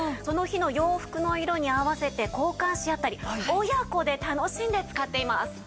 「その日の洋服の色に合わせて交換し合ったり親子で楽しんで使っています！」